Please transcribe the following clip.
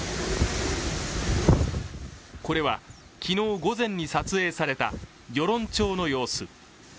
これは昨日午前に撮影された、与論町の様子。